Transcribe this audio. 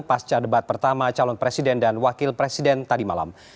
pasca debat pertama calon presiden dan wakil presiden tadi malam